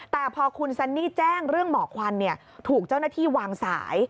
แต่พอคุณซันนี่แจ้งเรื่องหมอกควันถูกเจ้าหน้าที่วางสาย